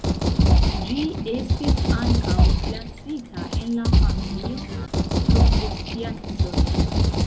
Ĝi estis ankaŭ klasita en la familio Strombosiacoj.